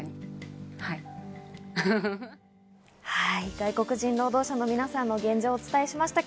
外国人労働者の皆さんの現状をお伝えしました。